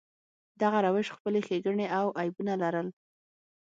دغه روش خپلې ښېګڼې او عیبونه لرل.